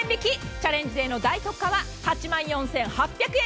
チャレンジデーの大特価は８万４８００円。